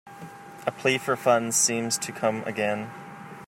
A plea for funds seems to come again.